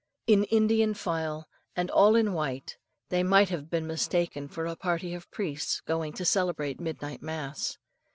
In Indian file, and all in white, they might have been mistaken for a party of priests going to celebrate midnight mass.